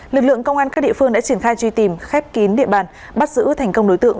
lực lượng công an các địa phương đã triển khai truy tìm khép kín địa bàn bắt giữ thành công đối tượng